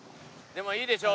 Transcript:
でもいいでしょ？